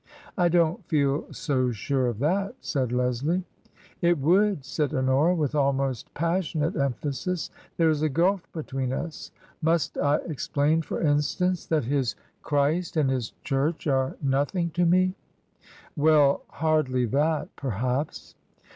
" I don't feel so sure of that," said Leslie. "It would!" said Honora, with almost passionate emphasis. "There is a gulf between us. Must I ex plain, for instance, that his Christ and his church are nothing to me ?"" Well ! Hardly that, perhaps."